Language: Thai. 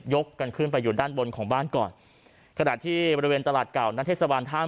กันขึ้นไปอยู่ด้านบนของบ้านก่อนขณะที่บริเวณตลาดเก่านักเทศบาลท่าม